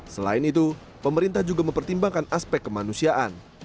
selain itu pemerintah juga mempertimbangkan aspek kemanusiaan